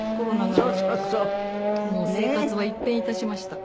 もう生活は一変致しました。